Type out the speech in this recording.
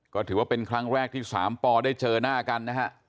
ก็ถือว่าเป็นครั้งแรกที่สามปอได้เจอหน้ากันนะฮะ